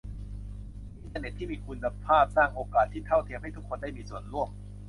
อินเตอร์เน็ตที่มีคุณภาพสร้างโอกาสที่เท่าเทียมให้ทุกคนได้มีส่วนร่วม